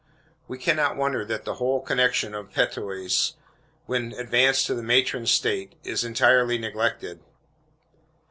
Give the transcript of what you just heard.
We can not wonder that the whole connection of Pettitoes, when advanced to the matron state, is entirely neglected.